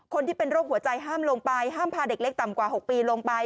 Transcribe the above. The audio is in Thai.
คนที่เป็นโรคหัวใจห้ามลงไปห้ามพาเด็กเล็กต่ำกว่า๖ปีลงไป